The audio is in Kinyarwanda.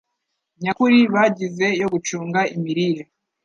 nyakuri bagize yo gucunga imirire;